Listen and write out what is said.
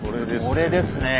これですねえ。